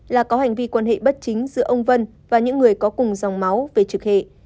là có hành vi quan hệ bất chính giữa ông vân và những người có cùng dòng máu về trực hệ